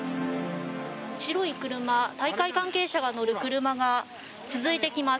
白い車大会関係者が乗る車が続いてきます。